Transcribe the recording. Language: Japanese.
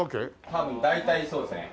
多分大体そうですね。